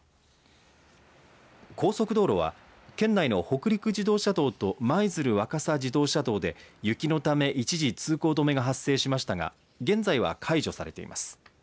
高速道路は県内の北陸自動車道と舞鶴若狭自動車道で雪のため一時通行止めが発生しましたか現在は解除されてます。